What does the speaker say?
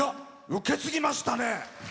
受け継ぎましたね。